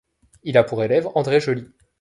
Il a pour élève André Joly.